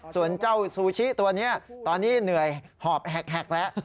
ส่วนเจ้าซูชิตัวนี้ตอนนี้เหนื่อยหอบแหกแล้ว